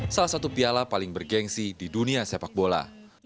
salah satu piala paling bergensi di dunia sepak bola